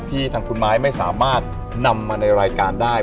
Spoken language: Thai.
ทางคุณไม้ไม่สามารถนำมาในรายการได้